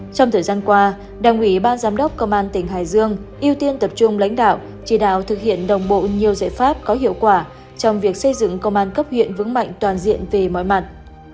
trong thời gian qua đảng ủy ban giám đốc công an tỉnh hải dương ưu tiên tập trung lãnh đạo chỉ đạo thực hiện đồng bộ nhiều giải pháp có hiệu quả trong việc xây dựng công an cấp huyện vững mạnh toàn diện về mọi mặt